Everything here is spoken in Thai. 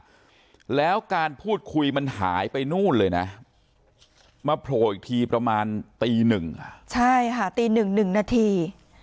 เลย๕๕๕แล้วการพูดคุยมันหายไปนู่นเลยนะมาโปลกทีประมาณตีหนึ่งอ่ะใช่อ่ะตีหนึ่ง๑นาที